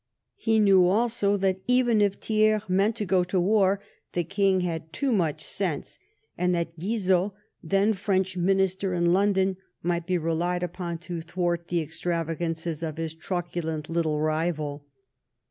He knew also that, even if Thiers meant to go to war, the King had "^too much sense, and that Ouizot, then French minister in London, might be relied upon to thwart the extravagances of his truculent little rival.